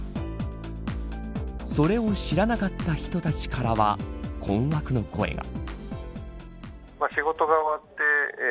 それを知らなかった人たちからは困惑の声が。